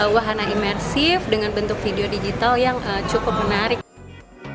wahana imersif dengan bentuk video digital